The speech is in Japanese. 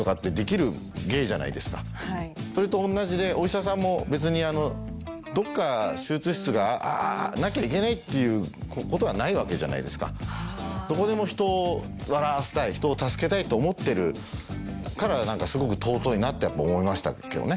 それと同じでお医者さんも別にどっか手術室がなきゃいけないっていうことはないわけじゃないですか。と思ってるから何かすごく尊いなって思いましたけどね。